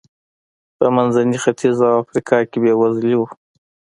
په منځني ختیځ او افریقا کې بېوزلي و.